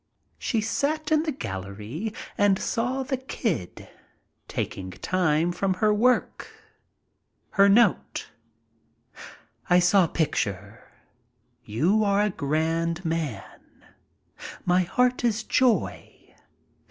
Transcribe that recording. She sat in the gallery and saw "The Kid," taking time off from her work. Her note : I saw picture. You are a grand man. My heart is joy.